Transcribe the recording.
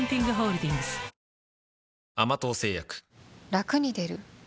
ラクに出る？